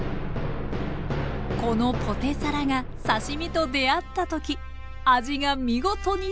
このポテサラが刺身と出会った時味が見事に調和